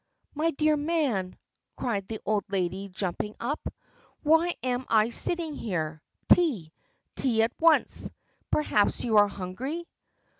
... "My dear man," cried the old lady, jumping up, "why am I sitting here? Tea! Tea at once! Perhaps you are hungry?"